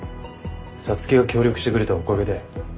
皐月が協力してくれたおかげだよ。